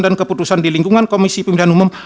dan keputusan di lingkungan komisi pemilihan umum